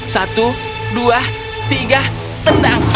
satu dua tiga tendang